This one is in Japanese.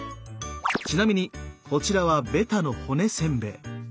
ちなみにこちらはベタの骨せんべい。